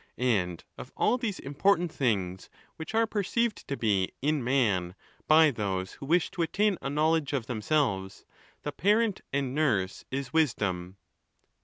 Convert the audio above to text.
And of all these important things which are perceived to be in man by those who wish to attain a know ledge of themselves, the parent and nurse is wisdom.